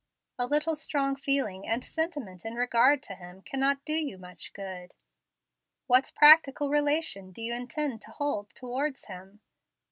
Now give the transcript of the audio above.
A little strong feeling and sentiment in regard to Him can not do you much good. What practical relation do you intend to hold towards Him?